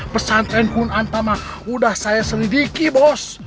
pesan tren kun antamah udah saya selidiki bos